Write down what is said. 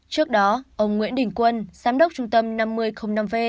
trước đó ông nguyễn đình quân giám đốc trung tâm năm mươi năm g